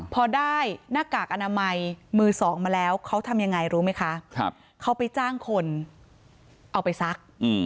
พอได้หน้ากากอนามัยมือสองมาแล้วเขาทำยังไงรู้ไหมคะเขาไปจ้างคนเอาไปซัก